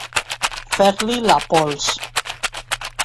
Fer-li la pols.